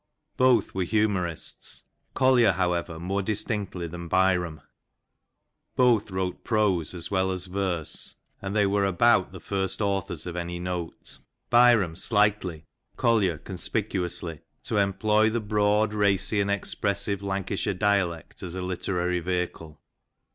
Both were humorists — Collier, however, more distinctly than Byrom \ both wrote prose as well as verse ; and they were about the first authors of any note — Byrom slightly, Collier conspicuously — to employ the broad, racy, and expressive Lancashire dialect as a literary vehicle.